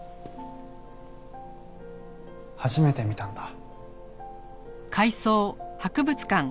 初めて見たんだ。